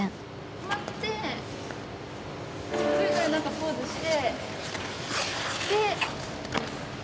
止まってそれぞれ何かポーズして。